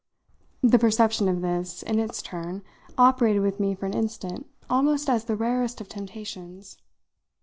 The perception of this, in its turn, operated with me for an instant almost as the rarest of temptations.